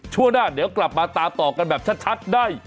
ช่วงหน้าเดี๋ยวกลับมาตามต่อกันแบบชัดได้